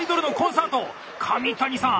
上谷さん